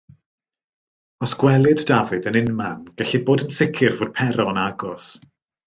Os gwelid Dafydd yn unman, gellid bod yn sicr fod Pero yn agos.